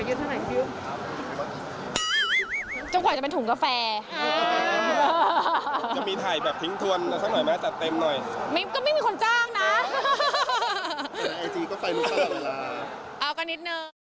เอากันอีกนิดนิด